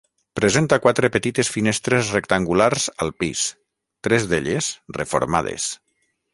Presenta quatre petites finestres rectangulars al pis, tres d'elles reformades.